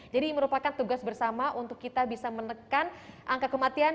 jadi merupakan tugas bersama untuk kita bisa menekan angka kematian